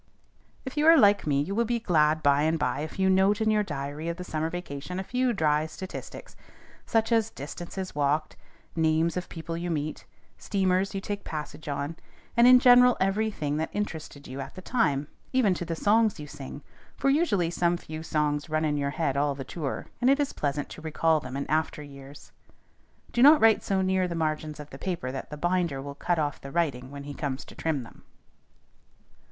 _ If you are like me, you will be glad by and by if you note in your diary of the summer vacation a few dry statistics, such as distances walked, names of people you meet, steamers you take passage on, and, in general, every thing that interested you at the time, even to the songs you sing; for usually some few songs run in your head all through the tour, and it is pleasant to recall them in after years. Do not write so near the margins of the paper that the binder will cut off the writing when he comes to trim them.